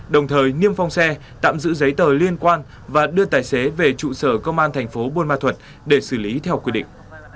đồng thời niêm phong xe tạm giữ giấy tờ liên quan và đưa tài xế về trụ sở công an thành phố buôn ma thuật để xử lý theo quy định